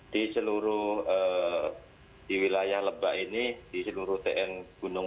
di seluruh wilayah lemba ini di seluruh tn gunung